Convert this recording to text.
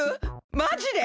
マジで！？